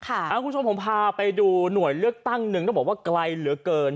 คุณผู้ชมผมพาไปดูหน่วยเลือกตั้งหนึ่งต้องบอกว่าไกลเหลือเกิน